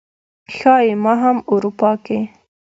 ښايي ما هم اروپا کې